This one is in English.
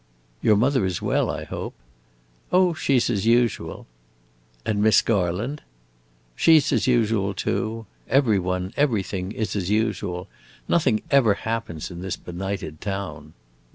"Your mother is well, I hope." "Oh, she 's as usual." "And Miss Garland?" "She 's as usual, too. Every one, everything, is as usual. Nothing ever happens, in this benighted town."